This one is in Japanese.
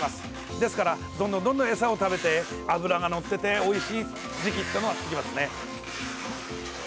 ですから、どんどん、どんどん餌を食べて、脂がのってておいしい時期ってなってきますね。